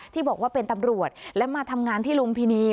ที่บอกว่าเป็นตำรวจและมาทำงานที่ลุมพินี